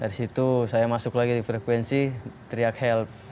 dari situ saya masuk lagi di frekuensi teriak help